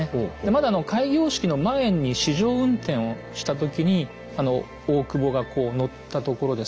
まだ開業式の前に試乗運転をした時に大久保がこう乗ったところですね